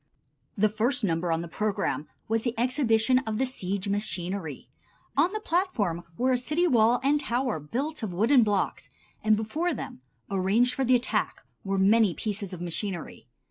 The first number on the program was the exhibition of the siege machinery. On the platform were a city wall and tower built of wooden blocks, and before them, arranged for the attack, were many pieces of machinery.